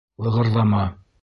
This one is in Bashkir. — Лығырҙама!